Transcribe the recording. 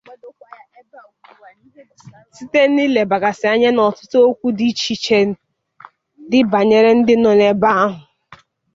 site n'ilebàgàsị anya n'ọtụtụ okwu dị iche iche dị bànyere ndị nọ ebe ahụ.